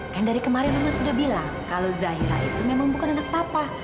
kan dari kemarin juga sudah bilang kalau zahila itu memang bukan anak papa